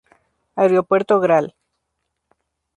Aeropuerto Gral.